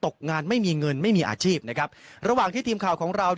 ตกงานไม่มีเงินไม่มีอาชีพนะครับระหว่างที่ทีมข่าวของเรา